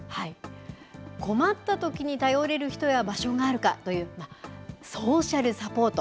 困ったときに頼れる人や場所があるかという、ソーシャルサポート。